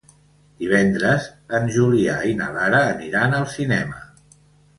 Divendres en Julià i na Lara aniran al cinema.